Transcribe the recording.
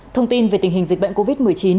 thông tin về tình hình dịch bệnh covid một mươi chín